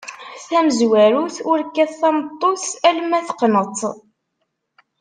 Tamezwarut: Ur kkat tameṭṭut alemma teqneḍ-tt.